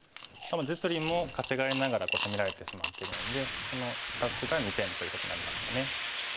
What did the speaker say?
実利も稼がれながら攻められてしまってるのでその２つが２点ということになりましたね。